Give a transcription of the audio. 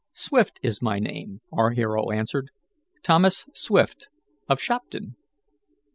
"Swift is my name," our hero answered. "Thomas Swift, of Shopton."